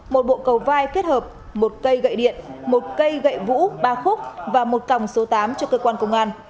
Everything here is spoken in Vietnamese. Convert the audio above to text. một bộ cầu vai kết hợp một cây gậy điện một cây gậy vũ ba khúc và một còng số tám cho cơ quan công an